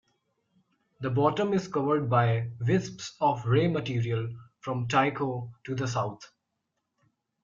The bottom is covered by wisps of ray material from Tycho to the south.